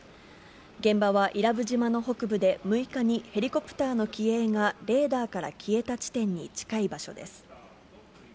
現場は伊良部島の北部で、６日にヘリコプターの機影がレーダーから消えた地点に近い場所です。